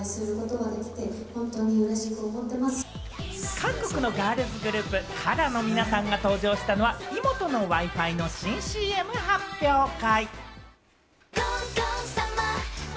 韓国のガールズグループ・ＫＡＲＡの皆さんが登場したのは、イモトのＷｉ−Ｆｉの新ＣＭ発表会。